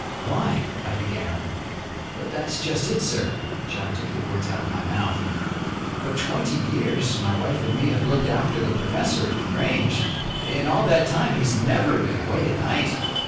"Why " I began. "That's just it, sir." John took the words out of my mouth. "For twenty years my wife an' me have looked after the professor at The Grange. In all that time he's never been away at night.